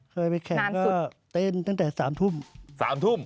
เคยไปแข่งก็เต้นตั้งแต่๓ทุ่ม๓ทุ่ม